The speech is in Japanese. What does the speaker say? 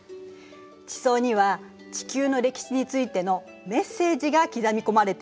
地層には地球の歴史についての「メッセージ」が刻み込まれているの。